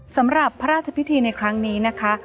สำหรับพระราชพิธีในครั้งนี้นะคะ